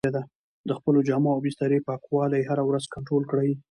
د خپلو جامو او بسترې پاکوالی هره ورځ کنټرول کړئ.